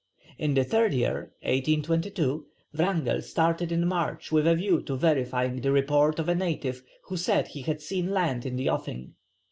In the third year (1822), Wrangell started in March with a view to verifying the report of a native who said he had seen land in the offing.